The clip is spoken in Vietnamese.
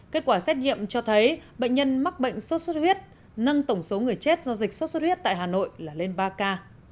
kết quả xét nghiệm cho thấy bệnh nhân mắc bệnh sốt xuất huyết nâng tổng số người chết do dịch sốt xuất huyết tại hà nội là lên ba ca